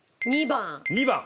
２番？